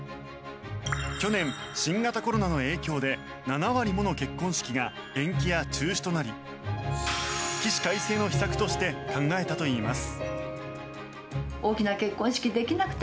去年、新型コロナの影響で７割もの結婚式が延期や中止となり起死回生の秘策として考えたといいます。